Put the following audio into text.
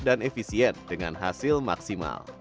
dan efisien dengan hasil maksimal